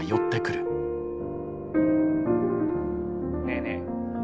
ねえねえ